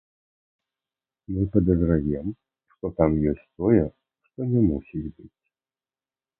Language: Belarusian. Мы падазраем, што там ёсць тое, што не мусіць быць.